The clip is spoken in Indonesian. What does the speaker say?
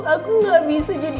aku gak bisa jadi